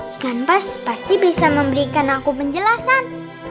ikan mas pasti bisa memberikan aku penjelasan